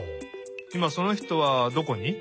いまその人はどこに？